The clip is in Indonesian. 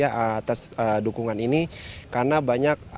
karena banyak yang menonton ini dan banyak yang menonton ini